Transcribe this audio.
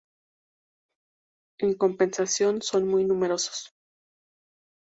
En compensación, son muy numerosos.